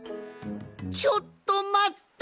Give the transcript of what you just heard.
ちょっとまった！